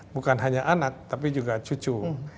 bukan hanya anak tapi juga cucu